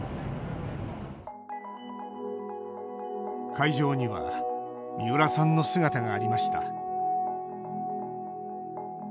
会場には三浦さんの姿がありました。